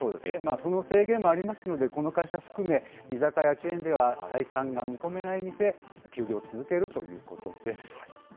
その制限もありますので、この会社含め、居酒屋チェーンでは採算が見込めない店、休業を続けるということです。